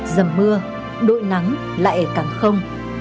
giầm mưa đội nắng lại càng không